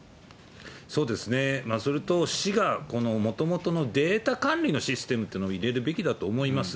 そうですね、それと市がもともとのデータ管理のシステムっていうのを入れるべきだと思います。